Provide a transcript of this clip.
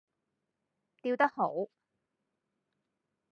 吊得好